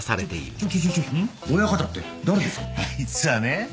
あいつはね